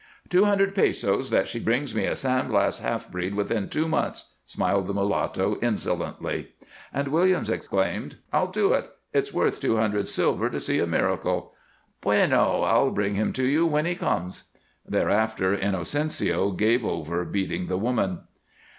"Two hundred pesos that she brings me a San Blas half breed within two months," smiled the mulatto, insolently. And Williams exclaimed: "I'll do it. It's worth two hundred 'silver' to see a miracle." "Bueno! I'll bring him to you when he comes." Thereafter Inocencio gave over beating the woman.